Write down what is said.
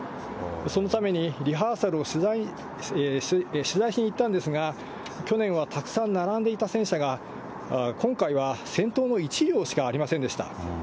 そのために、リハーサルを取材しに行ったんですが、去年はたくさん並んでいた戦車が、今回は先頭の１両しかありませんでした。